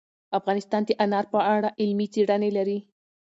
افغانستان د انار په اړه علمي څېړنې لري.